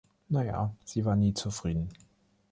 Na ja, sie war nie zufrieden.